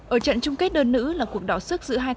ở trận chung kết đơn nữ là cuộc đỏ sức giữa hai te vượt